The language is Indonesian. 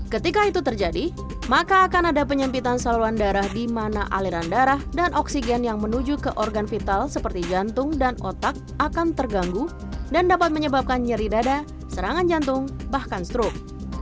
ketika itu terjadi maka akan ada penyempitan saluran darah di mana aliran darah dan oksigen yang menuju ke organ vital seperti jantung dan otak akan terganggu dan dapat menyebabkan nyeri dada serangan jantung bahkan stroke